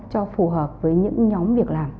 cho phù hợp với những nhóm việc làm